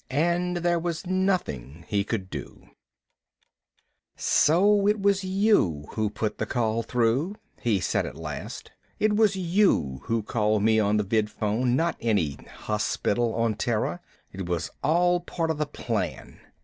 And there was nothing he could do. "So it was you who put the call through," he said at last. "It was you who called me on the vidphone, not any hospital on Terra. It was all part of the plan."